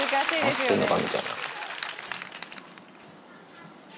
合ってんのかみたいな。